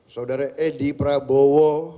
saudara edi prabowo